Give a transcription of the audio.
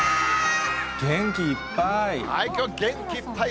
元気いっぱい。